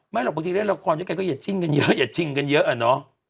หรอกบางทีเล่นละครด้วยกันก็อย่าจิ้นกันเยอะอย่าจริงกันเยอะอะเนาะ